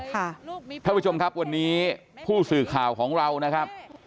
ท่านผู้ชมครับวันนี้ผู้สื่อข่าวของเรานะครับ